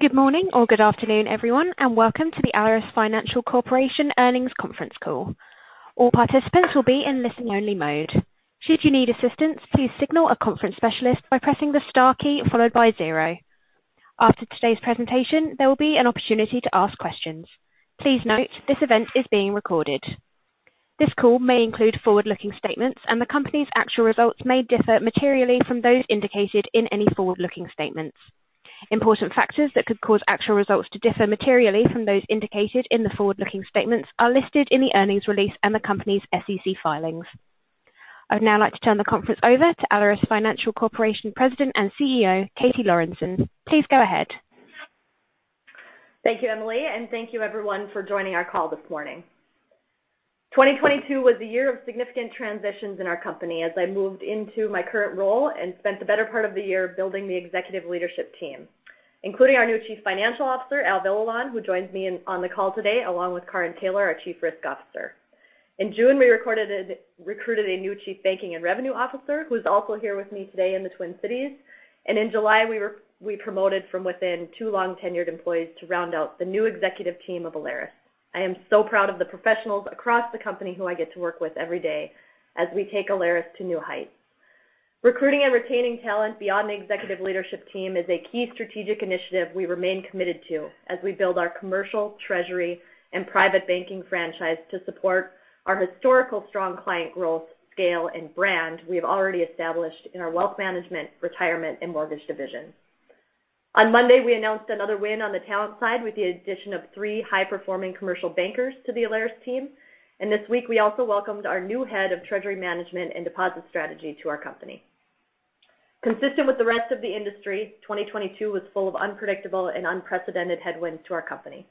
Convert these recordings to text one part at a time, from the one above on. Good morning or good afternoon, everyone. Welcome to the Alerus Financial Corporation Earnings Conference Call. All participants will be in listen only mode. Should you need assistance, please signal a conference specialist by pressing the star key followed by zero. After today's presentation, there will be an opportunity to ask questions. Please note this event is being recorded. This call may include forward-looking statements. The company's actual results may differ materially from those indicated in any forward-looking statements. Important factors that could cause actual results to differ materially from those indicated in theForward-Looking statements are listed in the earnings release and the company's SEC filings. I'd now like to turn the conference over to Alerus Financial Corporation President and Chief Executive Officer, Katie Lorenson. Please go ahead. Thank you, Emily, and thank you everyone for joining our call this morning. 2022 was a year of significant transitions in our company as I moved into my current role and spent the better part of the year building the executive leadership team, including our new Chief Financial Officer, Al Villalon, who joins me on the call today, along with Karin Taylor, our Chief Risk Officer. In June, we recruited a new Chief Banking and Revenue Officer who's also here with me today in the Twin Cities. In July, we promoted from within 2 Long-Tenured employees to round out the new executive team of Alerus. I am so proud of the professionals across the company who I get to work with every day as we take Alerus to new heights. Recruiting and retaining talent beyond the executive leadership team is a key strategic initiative we remain committed to as we build our commercial treasury and private banking franchise to support our historical strong client growth, scale and brand we have already established in our wealth management, retirement and mortgage division. On Monday, we announced another win on the talent side with the addition of 3 high-performing commercial bankers to the Alerus team. This week we also welcomed our new head of treasury management and deposit strategy to our company. Consistent with the rest of the industry, 2022 was full of unpredictable and unprecedented headwinds to our company.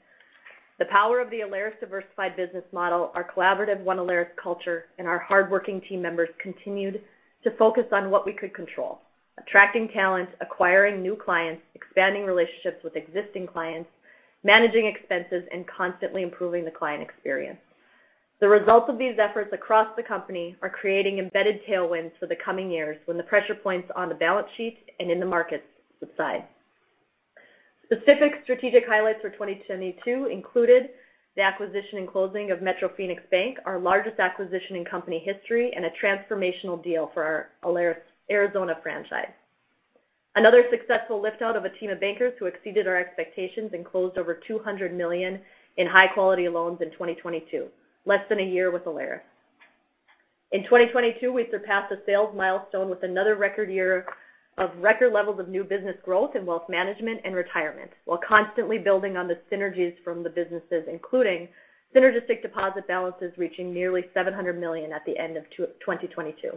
The power of the Alerus diversified business model, our collaborative One Alerus culture, and our hardworking team members continued to focus on what we could control. Attracting talent, acquiring new clients, expanding relationships with existing clients, managing expenses, and constantly improving the client experience. The results of these efforts across the company are creating embedded tailwinds for the coming years when the pressure points on the balance sheet and in the markets subside. Specific strategic highlights for 2022 included the acquisition and closing of Metro Phoenix Bank, our largest acquisition in company history, and a transformational deal for our Alerus Arizona franchise. Another successful lift out of a team of bankers who exceeded our expectations and closed over $200 million in high quality loans in 2022, less than a year with Alerus. In 2022, we surpassed a sales milestone with another record year of record levels of new business growth in wealth management and retirement, while constantly building on the synergies from the businesses, including synergistic deposit balances reaching nearly $700 million at the end of 2022.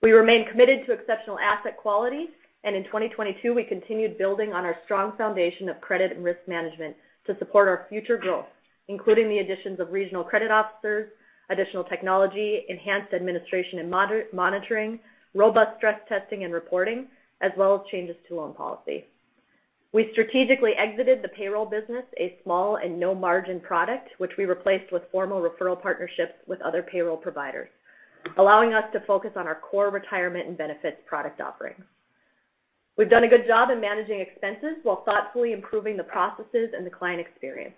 We remain committed to exceptional asset quality. In 2022, we continued building on our strong foundation of credit and risk management to support our future growth, including the additions of regional credit officers, additional technology, enhanced administration and monitoring, robust stress testing and reporting, as well as changes to loan policy. We strategically exited the payroll business, a small and no margin product, which we replaced with formal referral partnerships with other payroll providers, allowing us to focus on our core retirement and benefits product offerings. We've done a good job in managing expenses while thoughtfully improving the processes and the client experience.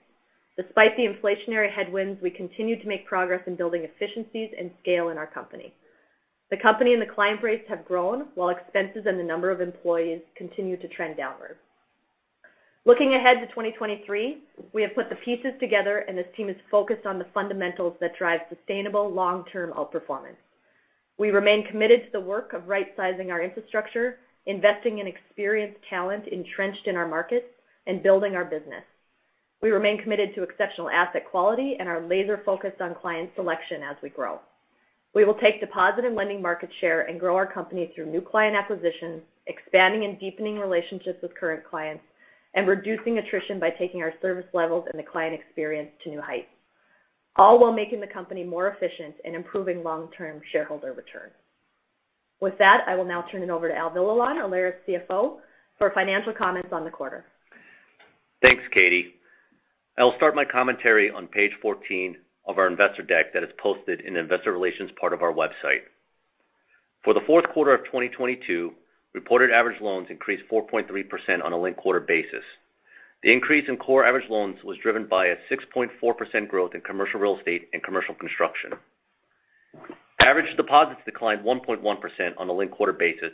Despite the inflationary headwinds, we continue to make progress in building efficiencies and scale in our company. The company and the client base have grown while expenses and the number of employees continue to trend downward. Looking ahead to 2023, we have put the pieces together and this team is focused on the fundamentals that drive sustainable Long-Term outperformance. We remain committed to the work of Right-Sizing our infrastructure, investing in experienced talent entrenched in our markets, and building our business. We remain committed to exceptional asset quality and are Laser-Focused on client selection as we grow. We will take deposit and lending market share and grow our company through new client acquisitions, expanding and deepening relationships with current clients, and reducing attrition by taking our service levels and the client experience to new heights, all while making the company more efficient and improving Long-Term shareholder returns. With that, I will now turn it over to Al Villalon, Alerus CFO, for financial comments on the 1/4. Thanks, Katie. I'll start my commentary on page 14 of our investor deck that is posted in the investor relations part of our website. For the fourth 1/4 of 2022, reported average loans increased 4.3% on a linked 1/4 basis. The increase in core average loans was driven by a 6.4% growth in commercial real estate and commercial construction. Average deposits declined 1.1% on a linked 1/4 basis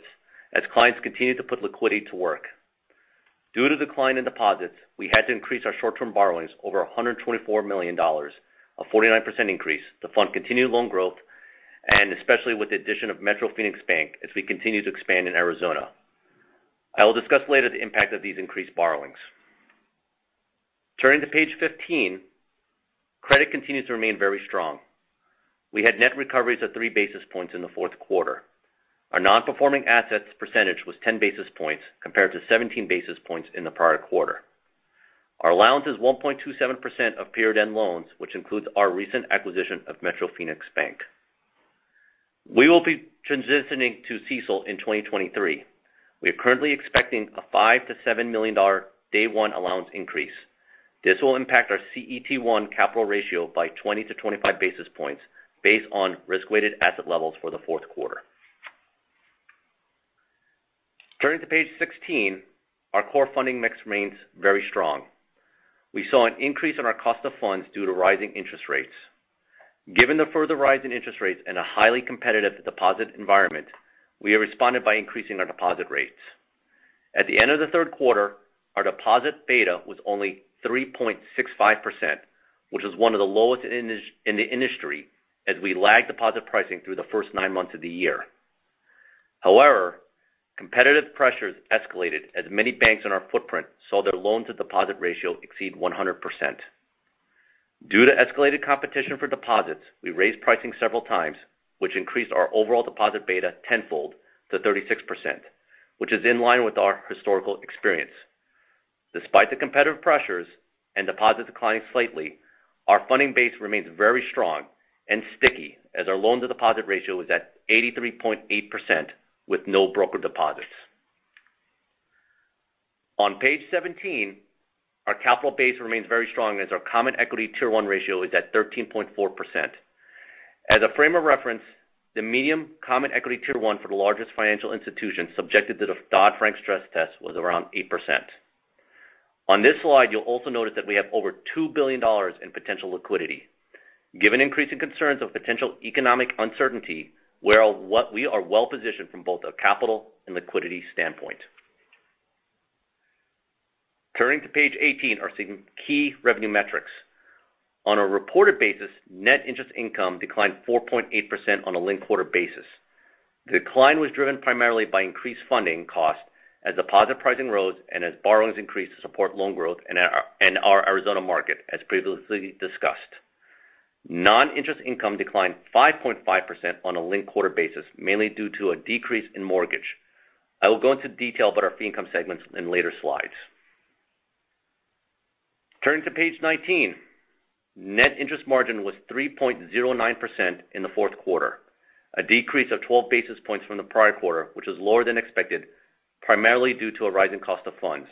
as clients continued to put liquidity to work. Due to decline in deposits, we had to increase our Short-Term borrowings over $124 million, a 49% increase to fund continued loan growth and especially with the addition of Metro Phoenix Bank as we continue to expand in Arizona. I will discuss later the impact of these increased borrowings. Turning to page 15. Credit continues to remain very strong. We had net recoveries of 3 basis points in the fourth 1/4. Our non-performing assets percentage was 10 basis points compared to 17 basis points in the prior 1/4. Our allowance is 1.27% of period end loans, which includes our recent acquisition of Metro Phoenix Bank. We will be transitioning to CECL in 2023. We are currently expecting a $5 million-$7 million day one allowance increase. This will impact our CET1 capital ratio by 20-25 basis points based on risk-weighted asset levels for the fourth 1/4. Turning to page 16, our core funding mix remains very strong. We saw an increase in our cost of funds due to rising interest rates. Given the further rise in interest rates and a highly competitive deposit environment, we have responded by increasing our deposit rates. At the end of the third 1/4, our deposit beta was only 3.65%, which is one of the lowest in the industry as we lag deposit pricing through the first 9 months of the year. However, competitive pressures escalated as many banks in our footprint saw their loan to deposit ratio exceed 100%. Due to escalated competition for deposits, we raised pricing several times, which increased our overall deposit beta tenfold to 36%, which is in line with our historical experience. Despite the competitive pressures and deposits declining slightly, our funding base remains very strong and sticky as our loan to deposit ratio is at 83.8% with no broker deposits. On page 17, our capital base remains very strong as our Common Equity Tier 1 ratio is at 13.4%. As a frame of reference, the medium Common Equity Tier 1 for the largest financial institutions subjected to the Dodd-Frank stress test was around 8%. On this Slide, you'll also notice that we have over $2 billion in potential liquidity. Given increasing concerns of potential economic uncertainty, we are well-positioned from both a capital and liquidity standpoint. Turning to page 18, are key revenue metrics. On a reported basis, net interest income declined 4.8% on a linked 1/4 basis. The decline was driven primarily by increased funding costs as deposit pricing rose and as borrowings increased to support loan growth in our Arizona market, as previously discussed. Non-interest income declined 5.5% on a linked 1/4 basis, mainly due to a decrease in mortgage. I will go into detail about our fee income segments in later Slides. Turning to page 19. Net interest margin was 3.09% in the fourth 1/4, a decrease of 12 basis points from the prior 1/4, which is lower than expected, primarily due to a rise in cost of funds.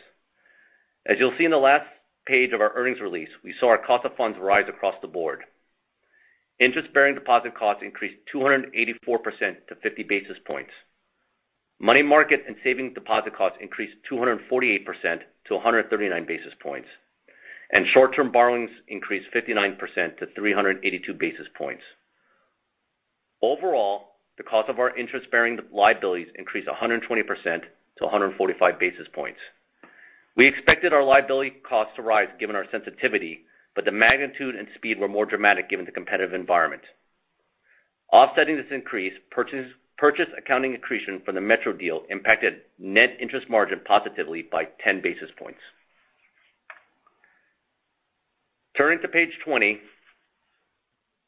As you'll see in the last page of our earnings release, we saw our cost of funds rise across the board. Interest-bearing deposit costs increased 284% to 50 basis points. Money market and savings deposit costs increased 248% to 139 basis points, and Short-Term borrowings increased 59% to 382 basis points. Overall, the cost of our interest-bearing liabilities increased 120% to 145 basis points. We expected our liability costs to rise given our sensitivity, but the magnitude and speed were more dramatic given the competitive environment. Offsetting this increase, purchase accounting accretion from the Metro deal impacted net interest margin positively by 10 basis points. Turning to page 20,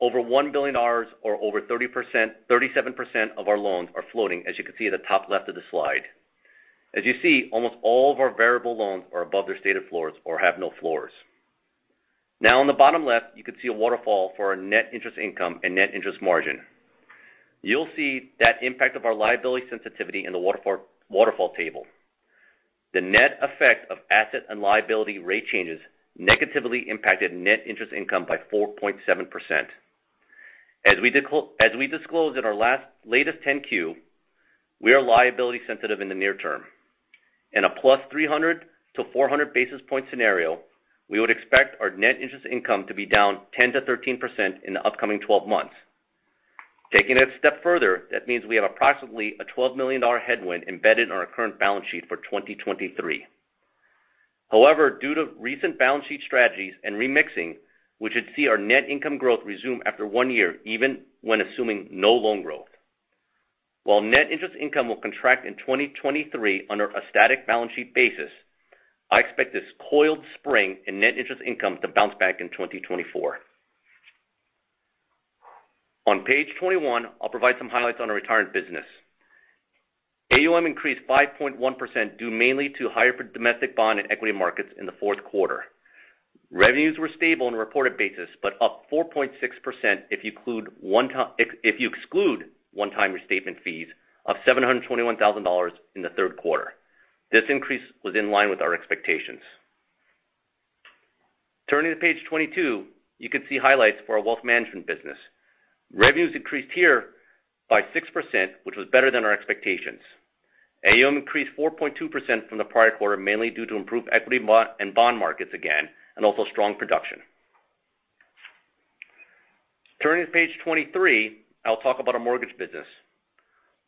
over $1 billion or over 37% of our loans are floating, as you can see at the top left of the Slide. You see, almost all of our variable loans are above their stated floors or have no floors. On the bottom left, you can see a waterfall for our net interest income and net interest margin. You'll see that impact of our liability sensitivity in the waterfall table. The net effect of asset and liability rate changes negatively impacted net interest income by 4.7%. We disclosed in our latest 10-Q, we are liability sensitive in the near term. In a +300 to 400 basis point scenario, we would expect our net interest income to be down 10%-13% in the upcoming 12 months. Taking it a step further, that means we have approximately a $12 million headwind embedded in our current balance sheet for 2023. However, due to recent balance sheet strategies and remixing, we should see our net income growth resume after 1 year, even when assuming no loan growth. While net interest income will contract in 2023 under a static balance sheet basis, I expect this coiled spring in net interest income to bounce back in 2024. On page 21, I'll provide some highlights on our retirement business. AUM increased 5.1%, due mainly to higher domestic bond and equity markets in the fourth 1/4. Revenues were stable on a reported basis, up 4.6% if you exclude one-time restatement fees of $721,000 in the third 1/4. This increase was in line with our expectations. Turning to page 22, you can see highlights for our wealth management business. Revenues increased here by 6%, which was better than our expectations. AUM increased 4.2% from the prior 1/4, mainly due to improved equity and bond markets again, and also strong production. Turning to page 23, I'll talk about our mortgage business.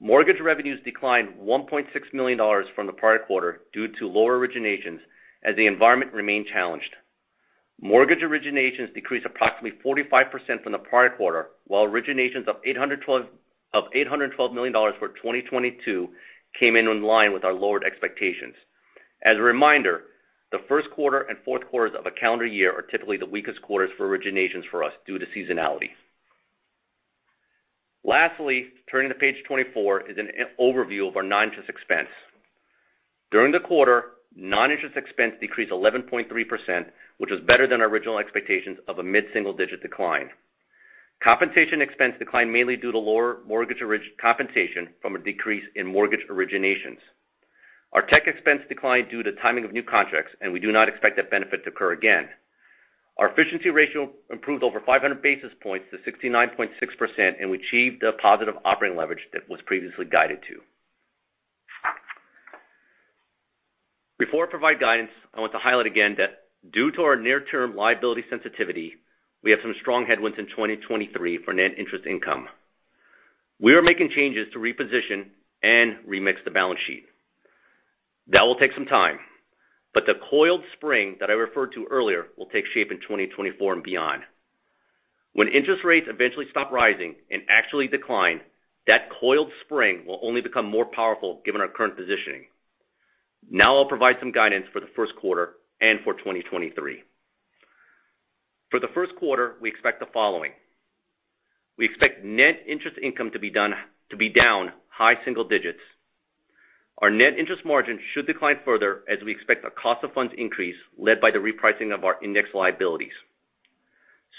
Mortgage revenues declined $1.6 million from the prior 1/4 due to lower originations as the environment remained challenged. Mortgage originations decreased approximately 45% from the prior 1/4, while originations of $812 million for 2022 came in in line with our lowered expectations. As a reminder, the first 1/4 and fourth quarters of a calendar year are typically the weakest quarters for originations for us due to seasonality. Turning to page 24 is an overview of our non-interest expense. During the 1/4, non-interest expense decreased 11.3%, which was better than our original expectations of a mid-single-digit decline. Compensation expense declined mainly due to lower mortgage compensation from a decrease in mortgage originations. Our tech expense declined due to timing of new contracts, we do not expect that benefit to occur again. Our efficiency ratio improved over 500 basis points to 69.6%, and we achieved a positive operating leverage that was previously guided to. Before I provide guidance, I want to highlight again that due to our near-term liability sensitivity, we have some strong headwinds in 2023 for net interest income. We are making changes to reposition and remix the balance sheet. That will take some time, but the coiled spring that I referred to earlier will take shape in 2024 and beyond. When interest rates eventually stop rising and actually decline, that coiled spring will only become more powerful given our current positioning. I'll provide some guidance for the first 1/4 and for 2023. For the first 1/4, we expect the following. We expect net interest income to be down high single digits. Our net interest margin should decline further as we expect a cost of funds increase led by the repricing of our index liabilities.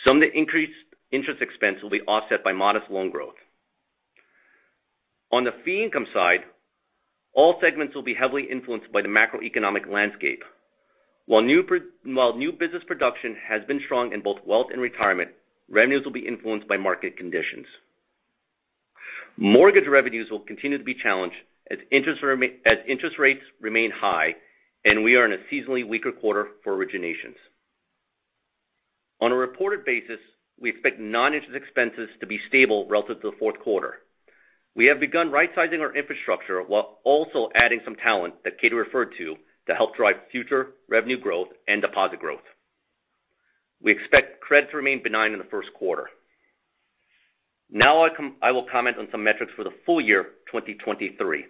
Some of the increased interest expense will be offset by modest loan growth. On the fee income side, all segments will be heavily influenced by the macroeconomic landscape. While new business production has been strong in both wealth and retirement, revenues will be influenced by market conditions. Mortgage revenues will continue to be challenged as interest rates remain high, and we are in a seasonally weaker 1/4 for originations. On a reported basis, we expect non-interest expenses to be stable relative to the fourth 1/4. We have begun rightsizing our infrastructure while also adding some talent that Katie referred to help drive future revenue growth and deposit growth. We expect credit to remain benign in the first 1/4. Now I will comment on some metrics for the full year 2023.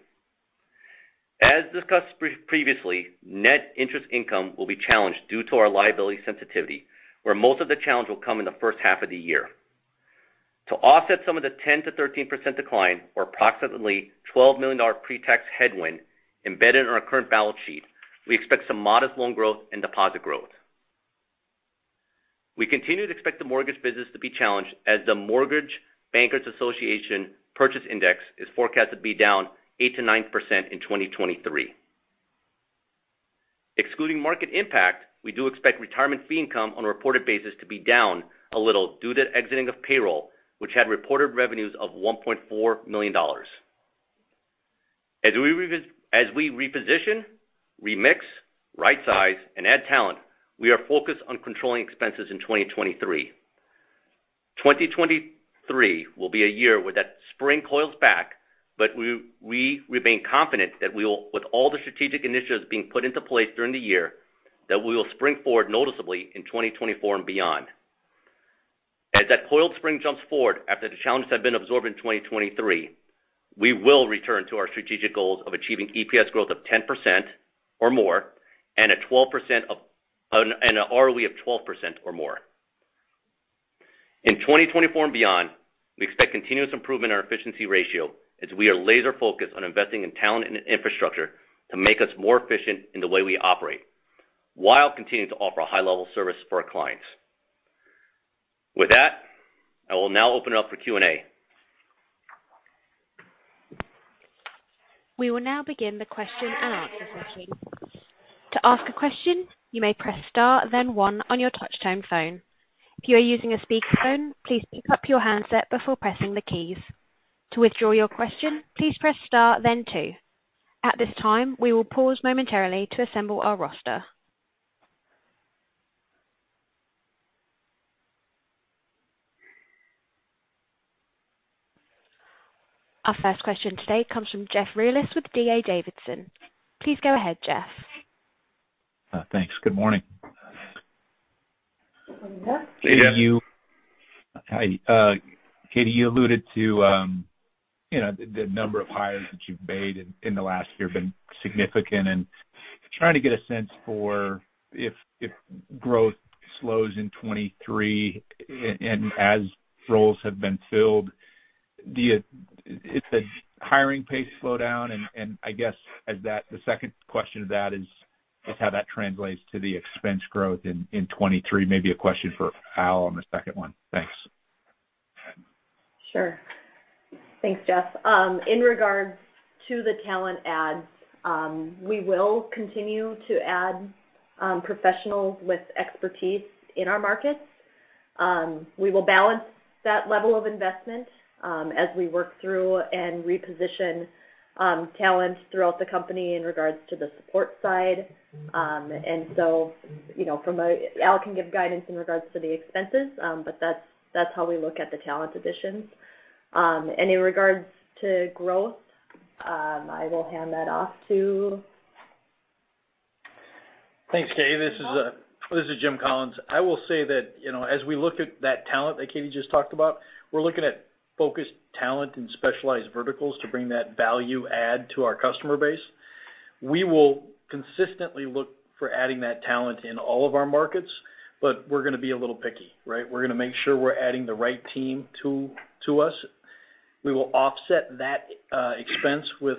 As discussed previously, net interest income will be challenged due to our liability sensitivity, where most of the challenge will come in the first 1/2 of the year. To offset some of the 10%-13% decline or approximately $12 million pre-tax headwind embedded in our current balance sheet, we expect some modest loan growth and deposit growth. We continue to expect the mortgage business to be challenged as the Mortgage Bankers Association purchase index is forecast to be down 8%-9% in 2023. Excluding market impact, we do expect retirement fee income on a reported basis to be down a little due to exiting of payroll, which had reported revenues of $1.4 million. As we reposition, remix, right-size, and add talent, we are focused on controlling expenses in 2023. 2023 will be a year where that spring coils back, we remain confident that we will, with all the strategic initiatives being put into place during the year, that we will spring forward noticeably in 2024 and beyond. As that coiled spring jumps forward after the challenges have been absorbed in 2023, we will return to our strategic goals of achieving EPS growth of 10% or more and a 12% of an, and a ROE of 12% or more. In 2024 and beyond, we expect continuous improvement in our efficiency ratio as we are laser focused on investing in talent and infrastructure to make us more efficient in the way we operate while continuing to offer a high level of service for our clients. I will now open it up for Q&A. We will now begin the question and answer session. To ask a question, you may press Star, then 1 on your touchtone phone. If you are using a speakerphone, please pick up your handset before pressing the keys. To withdraw your question, please press Star then 2. At this time, we will pause momentarily to assemble our roster. Our first question today comes from Jeff Rulis with D.A. Davidson. Please go ahead, Jeff. Thanks. Good morning. Yeah. Katie, you alluded to, you know, the number of hires that you've made in the last year have been significant. Trying to get a sense for if growth slows in 2023 and as roles have been filled, is the hiring pace slow down? I guess as that, the second question to that is how that translates to the expense growth in 2023. Maybe a question for Al on the second one. Thanks. Sure. Thanks, Jeff. In regards to the talent adds, we will continue to add professionals with expertise in our markets. We will balance that level of investment as we work through and reposition talents throughout the company in regards to the support side. You know, from a Al can give guidance in regards to the expenses, but that's how we look at the talent additions. In regards to growth, I will hand that off to... Thanks, Katie. This is Jim Collins. I will say that, you know, as we look at that talent that Katie just talked about, we're looking at focused talent and specialized verticals to bring that value add to our customer base. We will consistently look for adding that talent in all of our markets, but we're gonna be a little picky, right? We're gonna make sure we're adding the right team to us. We will offset that expense with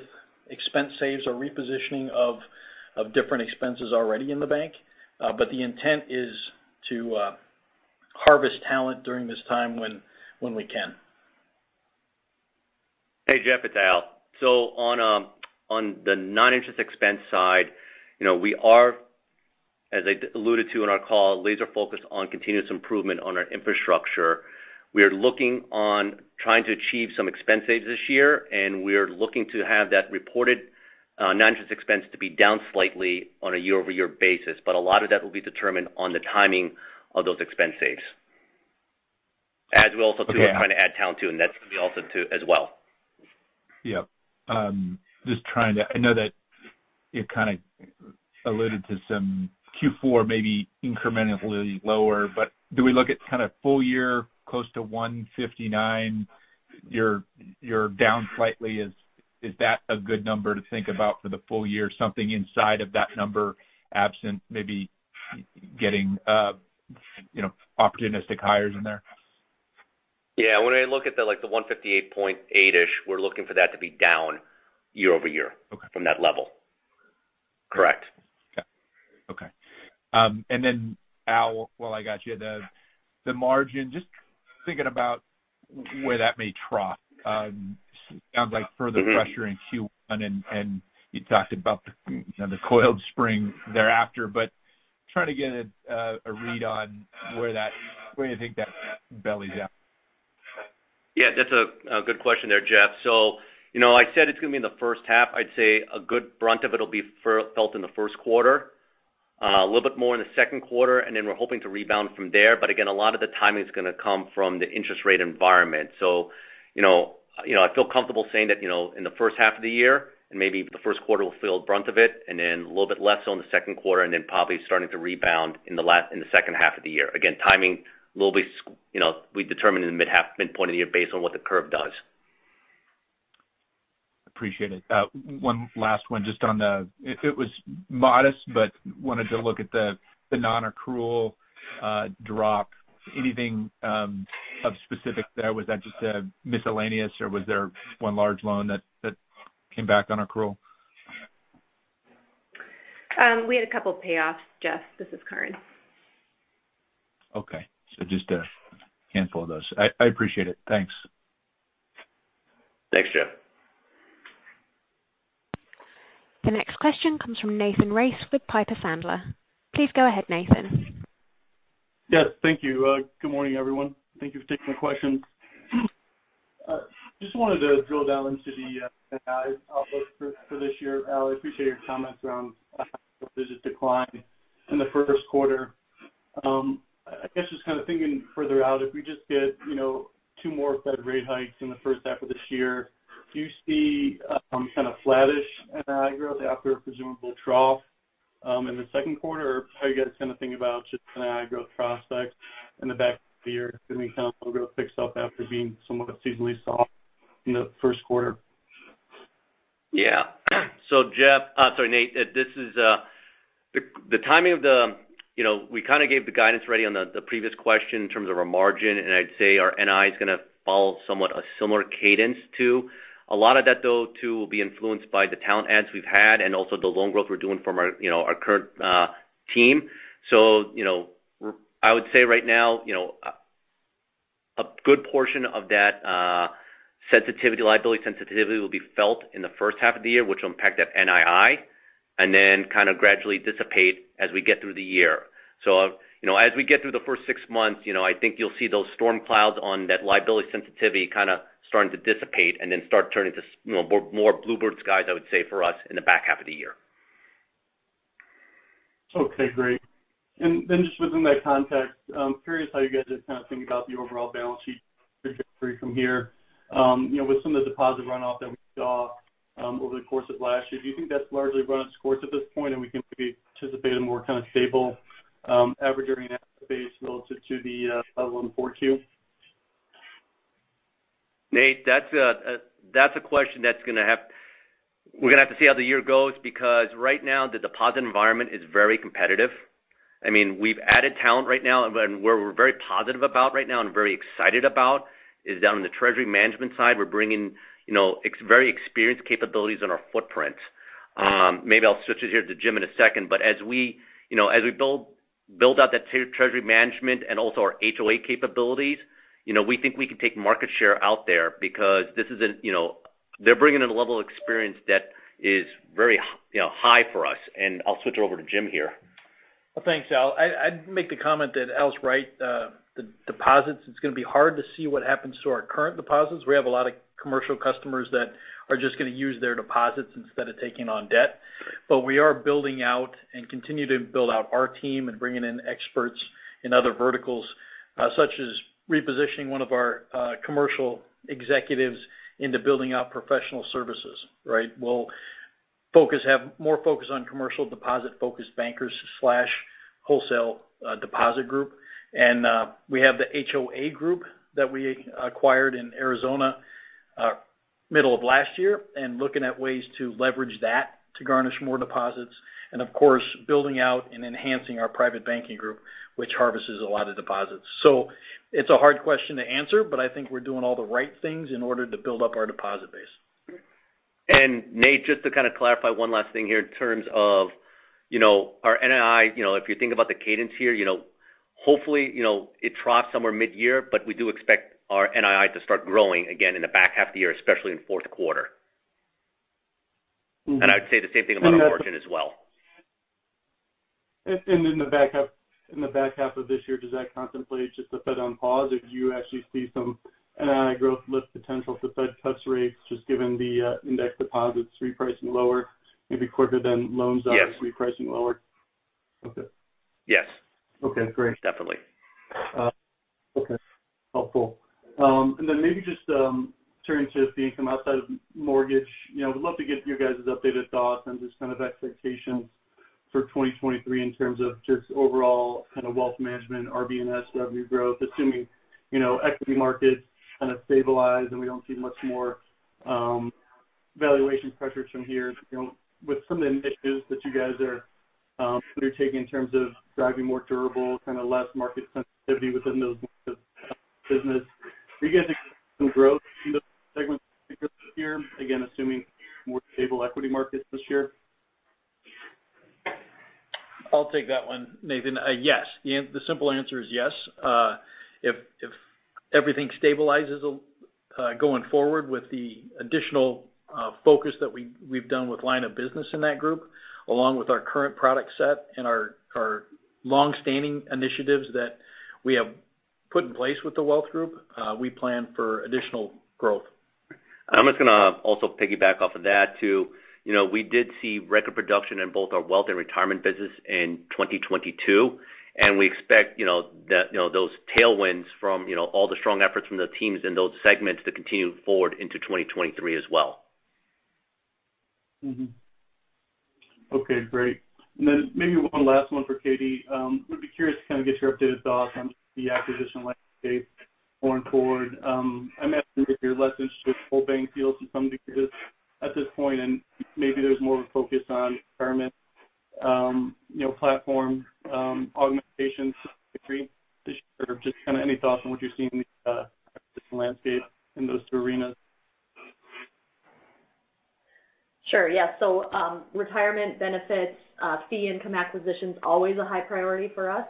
expense saves or repositioning of different expenses already in the bank. The intent is to harvest talent during this time when we can. Hey, Jeff, it's Al. On the Non-Interest expense side, you know, we are, as I alluded to in our call, laser focused on continuous improvement on our infrastructure. We are looking on trying to achieve some expense saves this year, and we're looking to have that reported non-interest expense to be down slightly on a Year-Over-Year basis. A lot of that will be determined on the timing of those expense saves. As we also too are trying to add talent too, that's going to be also too as well. Yeah. I know that you kind of alluded to some Q4 maybe incrementally lower, but do we look at kind of full year close to $159? You're down slightly. Is that a good number to think about for the full year, something inside of that number, absent maybe getting, you know, opportunistic hires in there? Yeah. When I look at the, like the $158.8-ish, we're looking for that to be down year-over-year- Okay from that level. Correct. Okay. Okay. Then Al, while I got you, the margin, just thinking about where that may trough, sounds like further pressure in Q1, and you talked about the, you know, the coiled spring thereafter, trying to get a read on where you think that bellies out. That's a good question there, Jeff. You know, I said it's going to be in the first 1/2. I'd say a good brunt of it will be felt in the first 1/4, a little bit more in the second 1/4, and then we're hoping to rebound from there. Again, a lot of the timing is gonna come from the interest rate environment. You know, you know, I feel comfortable saying that, you know, in the first 1/2 of the year and maybe the first 1/4 will feel the brunt of it and then a little bit less on the second 1/4 and then probably starting to rebound in the second 1/2 of the year. Again, timing will be, you know, determined in the midpoint of the year based on what the curve does. Appreciate it. It was modest, but wanted to look at the non-accrual drop. Anything of specific there? Was that just a miscellaneous or was there one large loan that came back on accrual? We had a couple payoffs, Jeff. This is Karin. Okay. Just to cancel those. I appreciate it. Thanks. Thanks, Jeff. The next question comes from Nathan Race with Piper Sandler. Please go ahead, Nathan. Yes. Thank you. Good morning, everyone. Thank you for taking the questions. Just wanted to drill down into the NI outlook for this year. Al, I appreciate your comments around visit decline in the first 1/4. I guess just kind of thinking further out, if we just get, you know, 2 more Fed rate hikes in the first 1/2 of this year, do you see kind of flattish NI growth after a presumably trough in the second 1/4? How are you guys gonna think about just NI growth prospects in the back 1/2 of the year? It's gonna be kind of loan growth picks up after being somewhat seasonally soft in the first 1/4. Yeah. Jeff Rulis, sorry, Nate, this is the timing of the, you know, we kind of gave the guidance already on the previous question in terms of our margin. I'd say our NI is gonna follow somewhat a similar cadence too. A lot of that though too will be influenced by the talent adds we've had and also the loan growth we're doing from our, you know, our current team. You know, I would say right now, you know, a good portion of that sensitivity, liability sensitivity will be felt in the first 1/2 of the year, which will impact that NII, and then kind of gradually dissipate as we get through the year. You know, as we get through the first 6 months, you know, I think you'll see those storm clouds on that liability sensitivity kind of starting to dissipate and then start turning to you know, more bluebird skies, I would say, for us in the back 1/2 of the year. Okay, great. Then just within that context, I'm curious how you guys just kind of think about the overall balance sheet trajectory from here. you know, with some of the deposit runoff that we saw, over the course of last year, do you think that's largely run its course at this point and we can participate in a more kind of stable, average earning asset base relative to the level in 4Q? Nate, we're gonna have to see how the year goes because right now the deposit environment is very competitive. I mean, we've added talent right now, and where we're very positive about right now and very excited about is down in the treasury management side. We're bringing, you know, very experienced capabilities on our footprint. Maybe I'll switch it here to Jim in a second. As we, you know, as we build out that treasury management and also our HOA capabilities, you know, we think we can take market share out there because, you know, they're bringing in a level of experience that is very, you know, high for us and I'll switch it over to Jim here. Well, thanks, Al. I'd make the comment that Al's right. The deposits, it's gonna be hard to see what happens to our current deposits. We have a lot of commercial customers that are just gonna use their deposits instead of taking on debt. We are building out and continue to build out our team and bringing in experts in other verticals, such as repositioning one of our commercial executives into building out professional services, right? We'll have more focus on commercial deposit-focused bankers/wholesale, deposit group. We have the HOA group that we acquired in Arizona, middle of last year and looking at ways to leverage that to garnish more deposits. Of course, building out and enhancing our private banking group, which harvests a lot of deposits. It's a hard question to answer, but I think we're doing all the right things in order to build up our deposit base. Nate, just to kind of clarify one last thing here in terms of, you know, our NII. You know, if you think about the cadence here, you know, hopefully, you know, it troughs somewhere mid-year, but we do expect our NII to start growing again in the back 1/2 of the year, especially in fourth 1/4. Mm-hmm. I'd say the same thing about our margin as well. In the back 1/2 of this year, does that contemplate just the Fed on pause? Do you actually see some NII growth lift potential for Fed cuts rates just given the index deposits repricing lower maybe quicker than loans? Yes. are repricing lower? Okay. Yes. Okay, great. Definitely. Okay. Helpful. Then maybe just turning to fee income outside of mortgage. You know, we'd love to get your guys' updated thoughts and just kind of expectations for 2023 in terms of just overall kind of wealth management, R&BS growth, assuming, you know, equity markets kind of stabilize and we don't see much more valuation pressures from here. You know, with some of the initiatives that you guys are undertaking in terms of driving more durable, kind of less market sensitivity within those business. Are you guys expecting some growth in those segments this year, again, assuming more stable equity markets this year? I'll take that one, Nathan. Yes. The simple answer is yes. If everything stabilizes, going forward with the additional focus that we've done with line of business in that group, along with our current product set and our long-standing initiatives that we have put in place with the wealth group, we plan for additional growth. I'm just gonna also piggyback off of that too. You know, we did see record production in both our wealth and retirement business in 2022. We expect, you know, that, you know, those tailwinds from, you know, all the strong efforts from the teams in those segments to continue forward into 2023 as well. Okay, great. Maybe one last one for Katie. Would be curious to kind of get your updated thoughts on the acquisition landscape going forward. I'm asking if you're less interested with whole bank deals to some degree because at this point, and maybe there's more of a focus on retirement, you know, platform augmentations this year. Just kind of any thoughts on what you're seeing in the acquisition landscape in those 2 arenas. Sure. Yeah. Retirement benefits, fee income acquisition's always a high priority for us.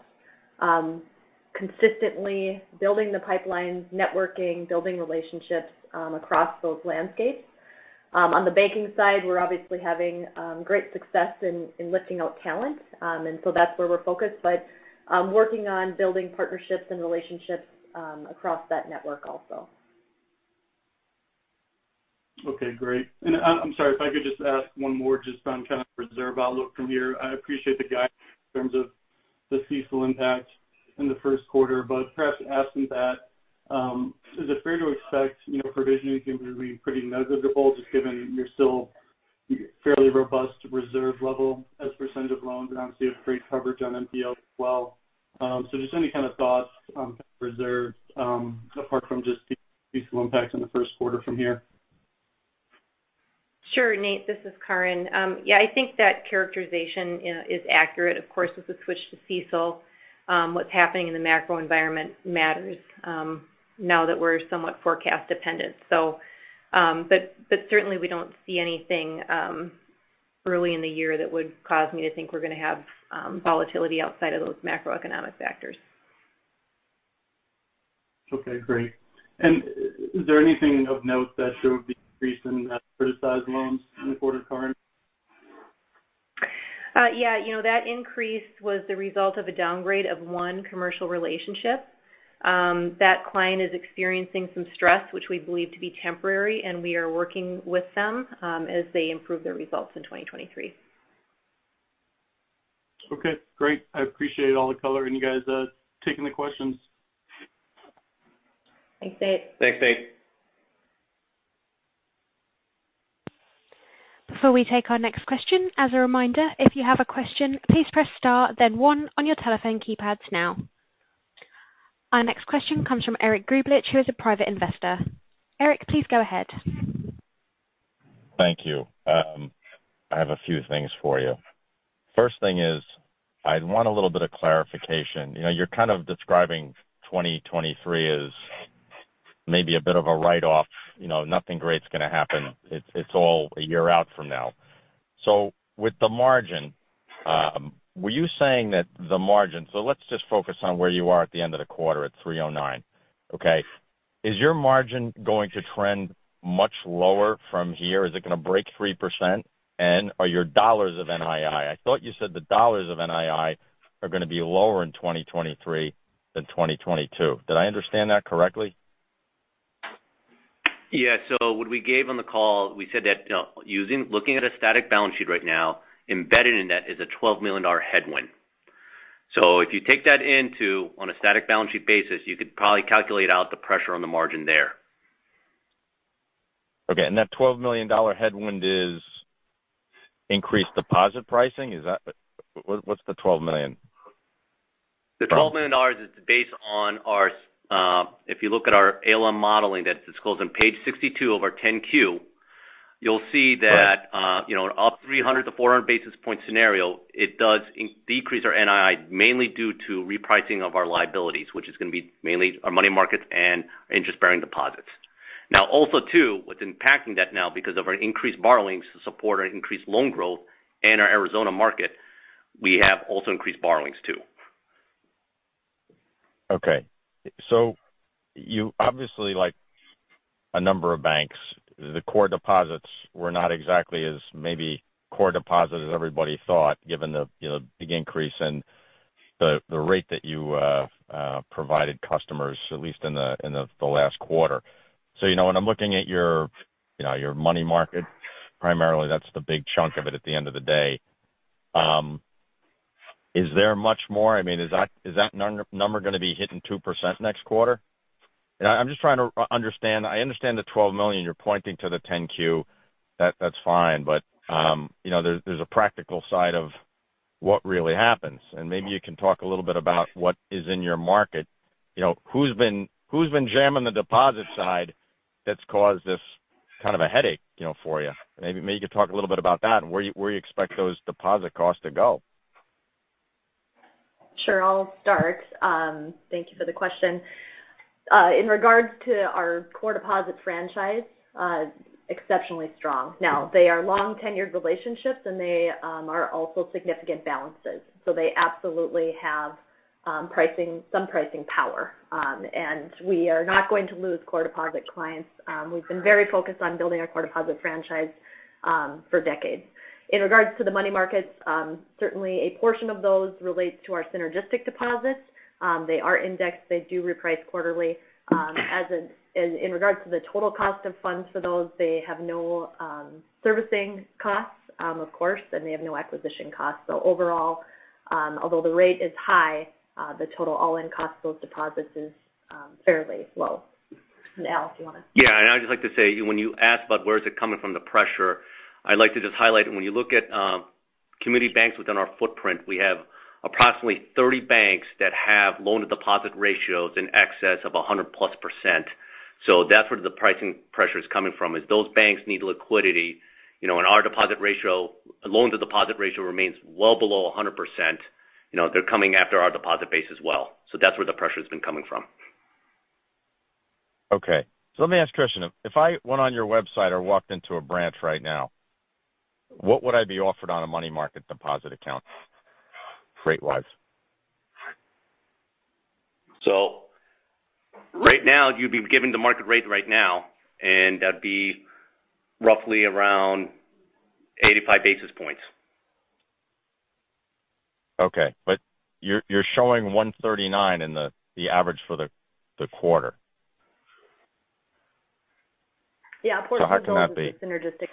Consistently building the pipelines, ne2rking, building relationships, across those landscapes. On the banking side, we're obviously having great success in lifting out talent. That's where we're focused. Working on building partnerships and relationships, across that ne2rk also. Okay, great. I'm sorry, if I could just ask one more just on kind of reserve outlook from here. I appreciate the guide in terms of the CECL impact in the first 1/4. Perhaps asking that, is it fair to expect, you know, provisioning to be pretty negligible just given your still fairly robust reserve level as a percentage of loans and obviously a great coverage on NPL as well? Just any kind of thoughts on reserves, apart from just the CECL impact in the first 1/4 from here? Sure, Nate. This is Karin. Yeah, I think that characterization is accurate. Of course, with the switch to CECL, what's happening in the macro environment matters, now that we're somewhat forecast dependent. Certainly we don't see anything early in the year that would cause me to think we're gonna have volatility outside of those macroeconomic factors. Okay, great. Is there anything of note that there would be increase in criticized loans in the 1/4, Karin? Yeah. You know, that increase was the result of a downgrade of one commercial relationship. That client is experiencing some stress, which we believe to be temporary, and we are working with them as they improve their results in 2023. Great. I appreciate all the color and you guys taking the questions. Thanks, Nate. Thanks, Nate. Before we take our next question, as a reminder, if you have a question, please press star then one on your telephone keypads now. Our next question comes from Eric Grubelich, who is a private investor. Eric, please go ahead. Thank you. I have a few things for you. First thing is I want a little bit of clarification. You know, you're kind of describing 2023 as maybe a bit of a write-off. You know, nothing great's gonna happen. It's, it's all a year out from now. With the margin, were you saying that So let's just focus on where you are at the end of the 1/4 at 309, okay? Is your margin going to trend much lower from here? Is it gonna break 3%? Are your dollars of NII... I thought you said the dollars of NII are gonna be lower in 2023 than 2022. Did I understand that correctly? Yeah. What we gave on the call, we said that, you know, looking at a static balance sheet right now, embedded in that is a $12 million headwind. If you take that into on a static balance sheet basis, you could probably calculate out the pressure on the margin there. Okay. That $12 million headwind is increased deposit pricing. What's the $12 million? The $12 million is based on our, if you look at our ALM modeling that's disclosed on page 62 of our 10-Q, you'll see that, you know, up 300-400 basis point scenario, it does in-decrease our NII mainly due to repricing of our liabilities, which is gonna be mainly our money markets and interest-bearing deposits. Also too, what's impacting that now because of our increased borrowings to support our increased loan growth and our Arizona market, we have also increased borrowings too. You obviously like a number of banks, the core deposits were not exactly as maybe core deposit as everybody thought, given the, you know, big increase in the rate that you provided customers at least in the last 1/4. You know, when I'm looking at your, you know, your money market, primarily that's the big chunk of it at the end of the day, is there much more? I mean, is that number going to be hitting 2% next 1/4? I'm just trying to understand. I understand the $12 million you're pointing to the 10-Q. That's fine. You know, there's a practical side of what really happens. Maybe you can talk a little bit about what is in your market. You know, who's been jamming the deposit side that's caused this kind of a headache, you know, for you? Maybe you could talk a little bit about that and where you expect those deposit costs to go. Sure. I'll start. Thank you for the question. In regards to our core deposit franchise, exceptionally strong. Now, they are long tenured relationships, and they are also significant balances. They absolutely have pricing, some pricing power. We are not going to lose core deposit clients. We've been very focused on building our core deposit franchise for decades. In regards to the money markets, certainly a portion of those relates to our synergistic deposits. They are indexed. They do reprice quarterly. As in regards to the total cost of funds for those, they have no servicing costs, of course, and they have no acquisition costs. Overall, although the rate is high, the total all-in cost of those deposits is fairly low. Al, do you wanna? Yeah. I'd just like to say, when you ask about where is it coming from, the pressure, I'd like to just highlight that when you look at community banks within our footprint, we have approximately 30 banks that have loan to deposit ratios in excess of 100+%. That's where the pricing pressure is coming from. As those banks need liquidity, you know, and our deposit ratio, loan to deposit ratio remains well below 100%, you know, they're coming after our deposit base as well. That's where the pressure's been coming from. Okay. Let me ask a question. If I went on your website or walked into a branch right now, what would I be offered on a money market deposit account rate-wise? Right now, you'd be given the market rate right now, and that'd be roughly around 85 basis points. Okay. You're showing 139 in the average for the 1/4. Yeah. A portion of those- How can that be? is synergistic.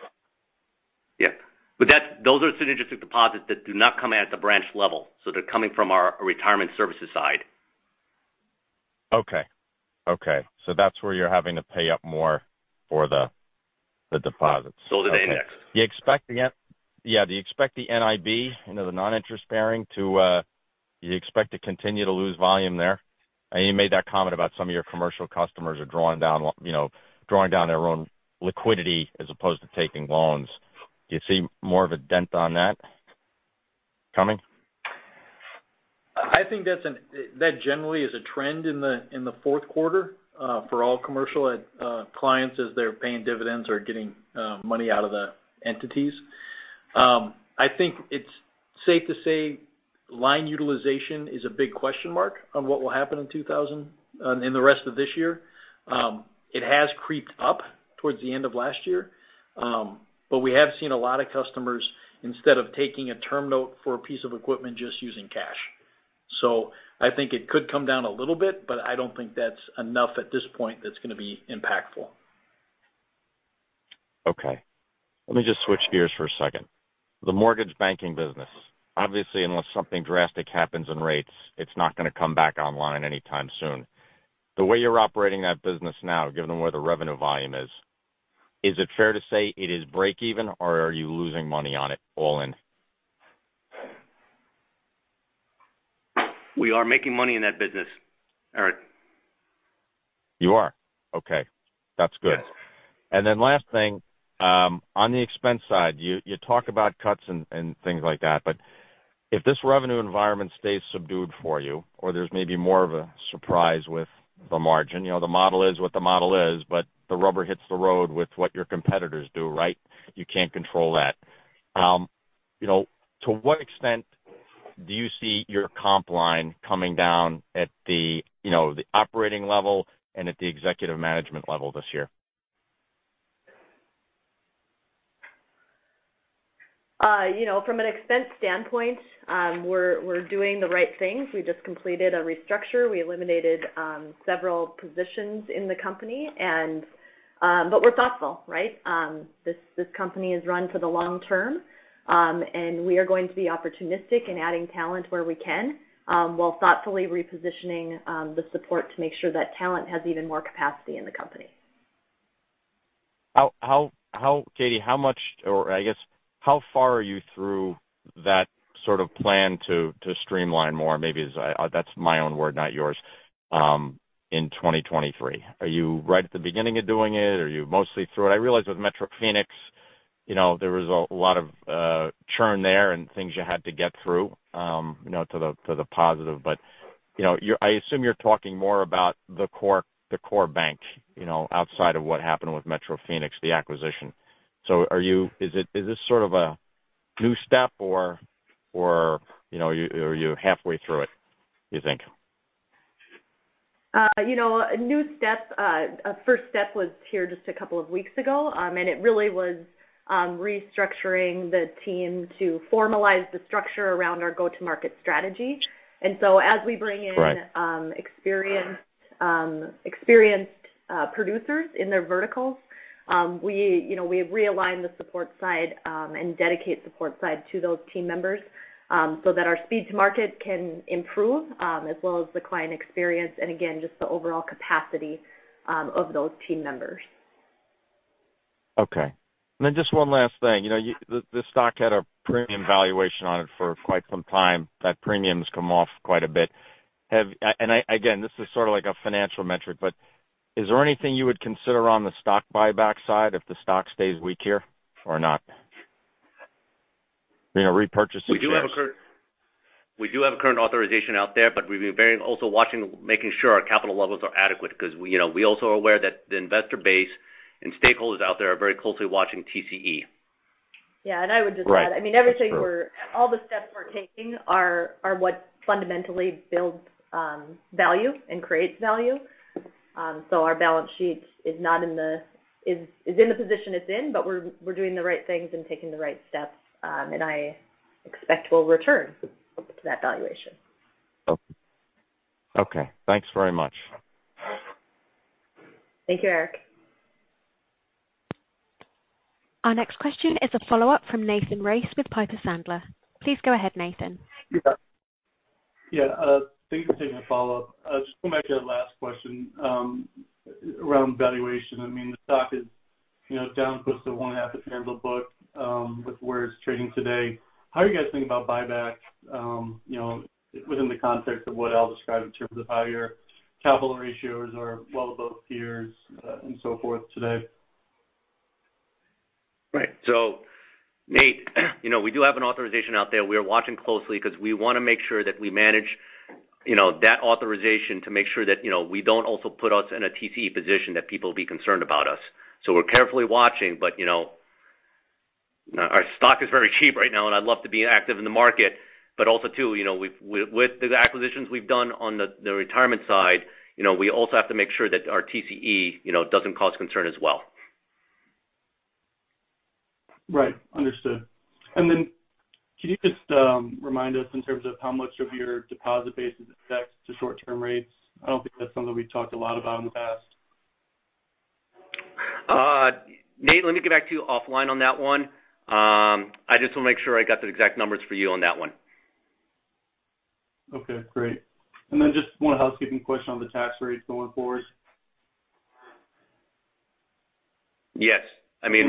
Yeah. Those are synergistic deposits that do not come in at the branch level, so they're coming from our retirement services side. Okay. That's where you're having to pay up more for the deposits. Sold at index. Okay. Do you expect the NIB, you know, the non-interest bearing to, do you expect to continue to lose volume there? I know you made that comment about some of your commercial customers are drawing down, you know, drawing down their own liquidity as opposed to taking loans. Do you see more of a dent on that coming? I think that generally is a trend in the fourth 1/4 for all commercial clients as they're paying dividends or getting money out of the entities. I think it's safe to say line utilization is a big question mark on what will happen in the rest of this year. It has creeped up towards the end of last year. We have seen a lot of customers, instead of taking a term note for a piece of equipment, just using cash. I think it could come down a little bit, but I don't think that's enough at this point that's gonna be impactful. Okay. Let me just switch gears for a second. The mortgage banking business. Obviously, unless something drastic happens in rates, it's not gonna come back online anytime soon. The way you're operating that business now, given where the revenue volume is it fair to say it is break even, or are you losing money on it all in? We are making money in that business, Eric. You are? Okay. That's good. Yes. Last thing. On the expense side, you talk about cuts and things like that. If this revenue environment stays subdued for you or there's maybe more of a surprise with the margin, you know the model is what the model is, but the rubber hits the road with what your competitors do, right? You can't control that. You know, to what extent do you see your comp line coming down at the, you know, the operating level and at the executive management level this year? You know, from an expense standpoint, we're doing the right things. We just completed a restructure. We eliminated several positions in the company and we're thoughtful, right? This company is run for the long term. We are going to be opportunistic in adding talent where we can, while thoughtfully repositioning the support to make sure that talent has even more capacity in the company. Katie, how much, or I guess, how far are you through that sort of plan to streamline more? Maybe it's, I that's my own word, not yours. In 2023. Are you right at the beginning of doing it? Are you mostly through it? I realize with Metro Phoenix, you know, there was a lot of churn there and things you had to get through, you know, to the positive. You know, I assume you're talking more about the core, the core bank, you know, outside of what happened with Metro Phoenix, the acquisition. Is this sort of a new step or, you know, are you 1/2way through it, you think? You know, a new step. A first step was here just a couple of weeks ago. It really was restructuring the team to formalize the structure around our go-to-market strategy. Right. Experienced producers in their verticals, we, you know, we realign the support side, and dedicate support side to those team members, so that our speed to market can improve, as well as the client experience and again, just the overall capacity, of those team members. Okay. Just one last thing. You know, this stock had a premium valuation on it for quite some time. That premium's come off quite a bit. And I, again, this is sort of like a financial metric, but is there anything you would consider on the stock buyback side if the stock stays weak here or not? You know, repurchase shares. We do have a current authorization out there, but we've been very also watching, making sure our capital levels are adequate because we, you know, we also are aware that the investor base and stakeholders out there are very closely watching TCE. Yeah. I would just add. Right. That's true. I mean, all the steps we're taking are what fundamentally builds value and creates value. Our balance sheet is in the position it's in, but we're doing the right things and taking the right steps. I expect we'll return to that valuation. Okay. Okay, thanks very much. Thank you, Eric. Our next question is a follow-up from Nathan Race with Piper Sandler. Please go ahead, Nathan. You bet. Yeah, thanks for taking the follow-up. Just going back to that last question, around valuation. I mean, the stock is, you know, down close to one 1/2 of tangible book, with where it's trading today. How are you guys thinking about buyback, you know, within the context of what Al described in terms of how your capital ratios are well above peers, and so forth today? Right. Nate, you know, we do have an authorization out there. We are watching closely because we wanna make sure that we manage, you know, that authorization to make sure that, you know, we don't also put us in a TCE position that people will be concerned about us. We're carefully watching. You know, our stock is very cheap right now, and I'd love to be active in the market. Also too, you know, with the acquisitions we've done on the retirement side, you know, we also have to make sure that our TCE, you know, doesn't cause concern as well. Right. Understood. Can you just remind us in terms of how much of your deposit base is affected to Short-Term rates? I don't think that's something we've talked a lot about in the past. Nate, let me get back to you offline on that one. I just want to make sure I got the exact numbers for you on that one. Okay, great. Just one housekeeping question on the tax rates going forward? Yes. I mean,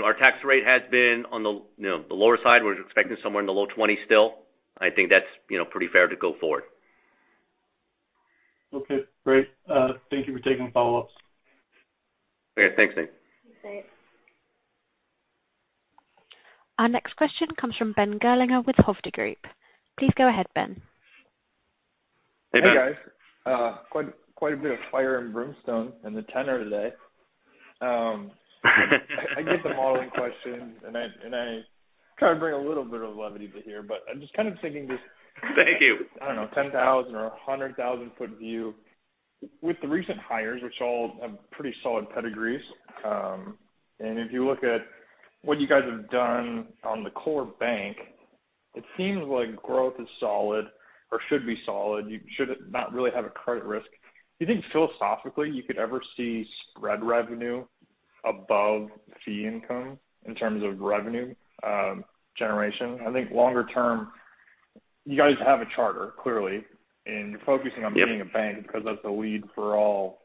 our tax rate has been on the, you know, the lower side. We're expecting somewhere in the low 20s still. I think that's, you know, pretty fair to go forward. Okay, great. Thank you for taking the follow-ups. Okay. Thanks, Nate. Thanks, Nate. Our next question comes from Ben Gerlinger with Hovde Group. Please go ahead, Ben. Hey, Ben. Hey, guys. quite a bit of fire and brimstone in the tenor today. I get the modeling question, and I try to bring a little bit of levity to here, but I'm just kind of thinking this. Thank you. I don't know, 10,000 or 100,000 foot view. With the recent hires, which all have pretty solid pedigrees, and if you look at what you guys have done on the core bank, it seems like growth is solid or should be solid. You should not really have a credit risk. Do you think philosophically you could ever see spread revenue above fee income in terms of revenue generation? I think longer term you guys have a charter, clearly, and you're focusing. Yep. being a bank because that's a lead for all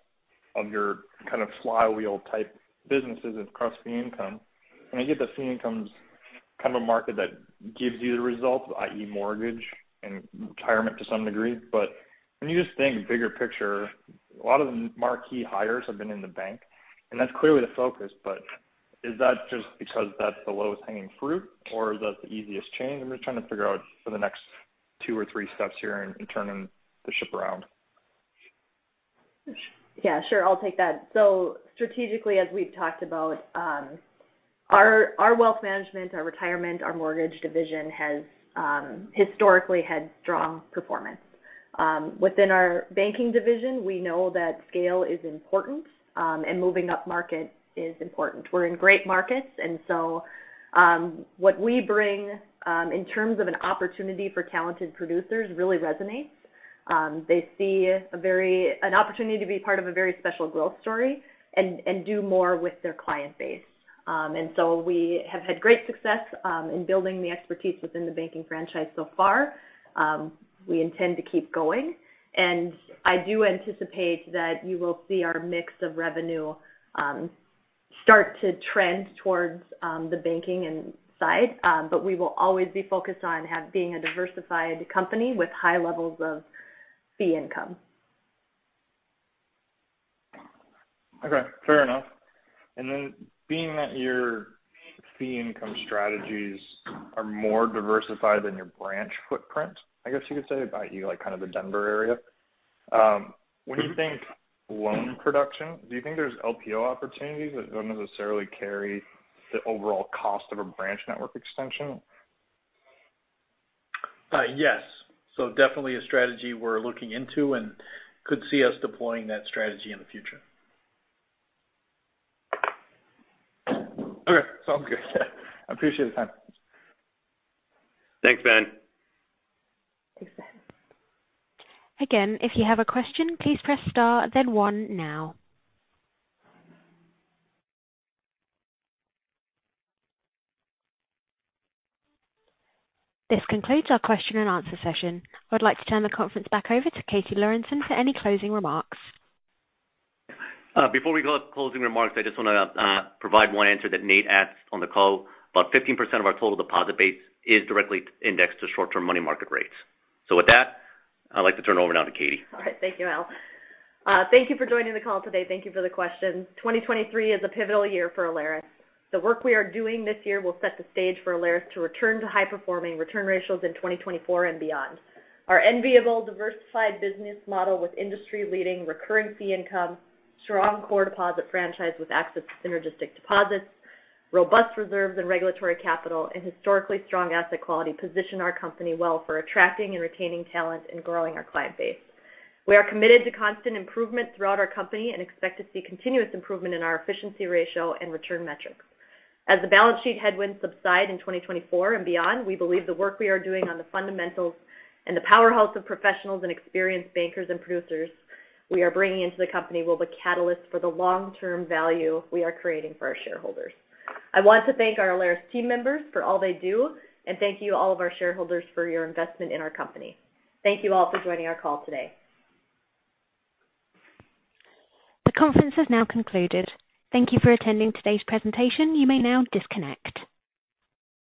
of your kind of flywheel type businesses across fee income. I get that fee income's kind of a market that gives you the results, i.e. mortgage and retirement to some degree. When you just think bigger picture, a lot of the marquee hires have been in the bank, and that's clearly the focus. Is that just because that's the lowest hanging fruit or is that the easiest change? I'm just trying to figure out for the next 2 or 3 steps here in turning the ship around. Yeah, sure. I'll take that. Strategically, as we've talked about, our wealth management, our retirement, our mortgage division has historically had strong performance. Within our banking division, we know that scale is important and moving up market is important. We're in great markets. What we bring in terms of an opportunity for talented producers really resonates. They see an opportunity to be part of a very special growth story and do more with their client base. We have had great success in building the expertise within the banking franchise so far. We intend to keep going. I do anticipate that you will see our mix of revenue start to trend towards the banking and side. we will always be focused on have being a diversified company with high levels of fee income. Okay. Fair enough. Then being that your fee income strategies are more diversified than your branch footprint, I guess you could say, by you, like, kind of the Denver area. When you think loan production, do you think there's LPO opportunities that don't necessarily carry the overall cost of a branch ne2rk extension? Yes. Definitely a strategy we're looking into and could see us deploying that strategy in the future. Okay. Sounds good. I appreciate the time. Thanks, Ben. Thanks, Ben. Again, if you have a question, please press star then one now. This concludes our question and answer session. I'd like to turn the conference back over to Katie Lorenson for any closing remarks. Before we go to closing remarks, I just wanna provide one answer that Nate asked on the call. About 15% of our total deposit base is directly indexed to Short-Term money market rates. With that, I'd like to turn it over now to Katie. All right. Thank you, Al. Thank you for joining the call today. Thank you for the questions. 2023 is a pivotal year for Alerus. The work we are doing this year will set the stage for Alerus to return to high-performing return ratios in 2024 and beyond. Our enviable diversified business model with Industry-Leading recurring fee income, strong core deposit franchise with access to synergistic deposits, robust reserves and regulatory capital, and historically strong asset quality position our company well for attracting and retaining talent and growing our client base. We are committed to constant improvement throughout our company and expect to see continuous improvement in our efficiency ratio and return metrics. As the balance sheet headwinds subside in 2024 and beyond, we believe the work we are doing on the fundamentals and the powerhouse of professionals and experienced bankers and producers we are bringing into the company will be catalyst for the Long-Term value we are creating for our shareholders. I want to thank our Alerus team members for all they do and thank you all of our shareholders for your investment in our company. Thank you all for joining our call today. The conference has now concluded. Thank you for attending today's presentation. You may now disconnect.